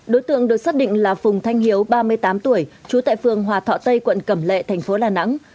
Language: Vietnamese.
đối tượng được xác định là phùng thanh hiếu ba mươi tám tuổi trú tại phường hòa thọ tây quận cầm lệ tp đà nẵng